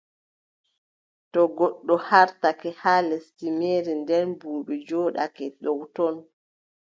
To goɗɗo haartake haa lesdi meere, nden buubi njooɗake dow ton,